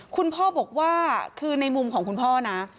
คุณพ่อบอกว่าคือในมุมของคุณพ่อนะ